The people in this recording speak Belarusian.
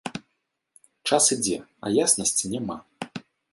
Час ідзе, а яснасці няма.